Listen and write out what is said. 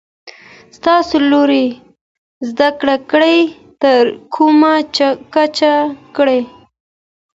تاسو لوړي زده کړي تر کومه کچه کړي ؟